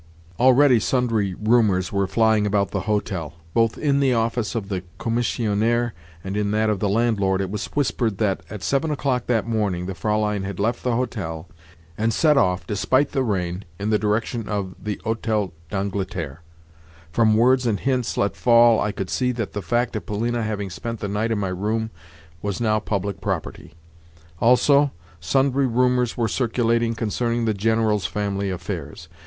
Already sundry rumours were flying about the hotel. Both in the office of the commissionaire and in that of the landlord it was whispered that, at seven o'clock that morning, the Fräulein had left the hotel, and set off, despite the rain, in the direction of the Hôtel d'Angleterre. From words and hints let fall I could see that the fact of Polina having spent the night in my room was now public property. Also, sundry rumours were circulating concerning the General's family affairs.